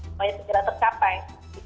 supaya segera tercapai